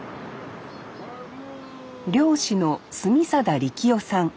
漁師の住定力雄さん。